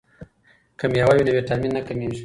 که میوه وي نو ویټامین نه کمیږي.